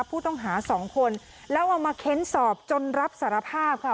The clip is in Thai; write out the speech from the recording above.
ผู้ต้องหาสองคนแล้วเอามาเค้นสอบจนรับสารภาพค่ะ